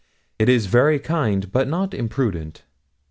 It is very kind, but not imprudent.'